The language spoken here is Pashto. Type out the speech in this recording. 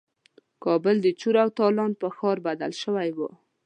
کابل د چور او تالان په ښار بدل شوی وو.